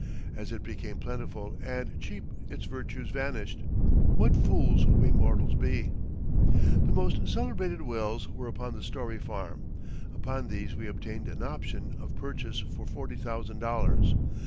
As it became plentiful and cheap its virtues vanished. What fools we mortals be! The most celebrated wells were upon the Storey farm. Upon these we obtained an option of purchase for forty thousand dollars.